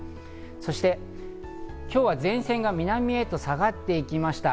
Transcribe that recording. そして、今日は前線が南へと下がっていきました。